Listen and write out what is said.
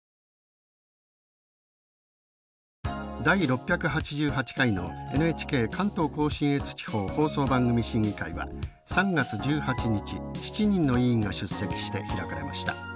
第６８８回のＮＨＫ関東甲信越地方放送番組審議会は３月１８日７人の委員が出席して開かれました。